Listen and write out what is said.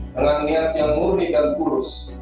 dengan niat yang murni dan kurus